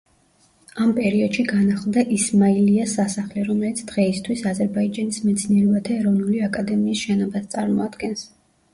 ამ პერიოდში განახლდა ისმაილიას სასახლე, რომელიც დღეისთვის აზერბაიჯანის მეცნიერებათა ეროვნული აკადემიის შენობას წარმოადგენს.